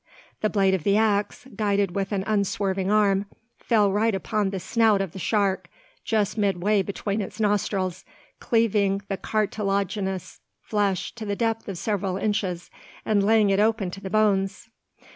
The blade of the axe, guided with an unswerving arm, fell right upon the snout of the shark, just midway between its nostrils, cleaving the cartilaginous flesh to the depth of several inches, and laying it open to the bones.